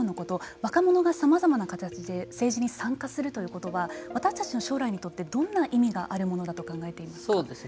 若者がさまざまな形で政治に参加するということは私たちの将来にとってどんな意味があるものだと考えていますか。